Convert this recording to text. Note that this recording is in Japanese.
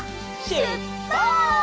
しゅっぱつ！